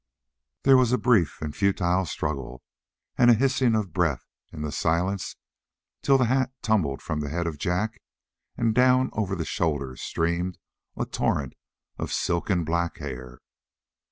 There was a brief and futile struggle, and a hissing of breath in the silence till the hat tumbled from the head of Jack and down over the shoulders streamed a torrent of silken black hair.